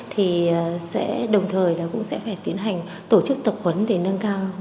thì sẽ đồng thời cũng sẽ phải tiến hành tổ chức tập huấn để nâng cao huyện